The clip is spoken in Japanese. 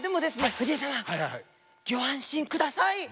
藤井様ギョ安心ください。何で？